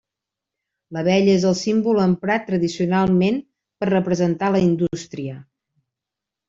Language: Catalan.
L'abella és el símbol emprat tradicionalment per representar la indústria.